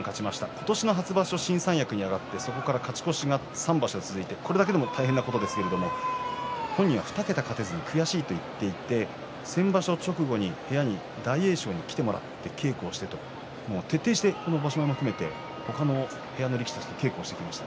今年の初場所、新三役に上がってそこから勝ち越しが３場所続いてそれだけでも大変なことですけれども本人は２桁勝てず悔しいと言って先場所、直後に大栄翔に来てもらって徹底して他の部屋の力士たちと稽古をしてきました。